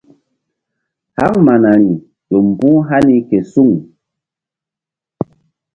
Haŋ manari ƴo mbu̧h hani ke suŋ.